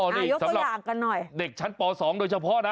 นี่สำหรับเด็กชั้นป๒โดยเฉพาะนะ